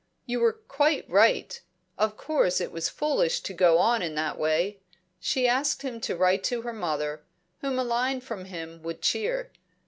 You were quite right; of course it was foolish to go on in that way." She asked him to write to her mother, whom a line from him would cheer.